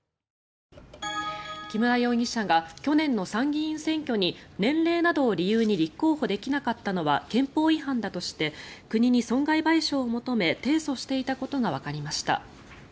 木村容疑者が去年の参議院選挙に年齢などを理由に立候補できなかったのは憲法違反だとして国に損害賠償を求め提訴していたことがわかりました。